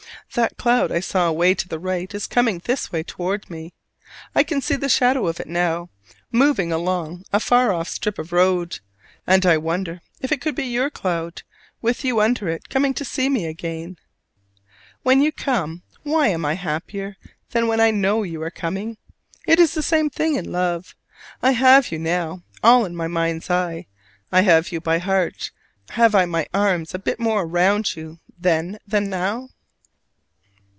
That cloud I saw away to the right is coming this way toward me. I can see the shadow of it now, moving along a far off strip of road: and I wonder if it is your cloud, with you under it coming to see me again! When you come, why am I any happier than when I know you are coming? It is the same thing in love. I have you now all in my mind's eye; I have you by heart; have I my arms a bit more round you then than now?